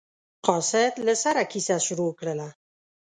قاصد له سره کیسه شروع کړله.